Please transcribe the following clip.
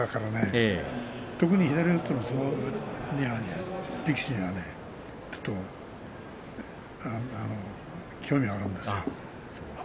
特に左四つの力士には興味があるんですよ、私は。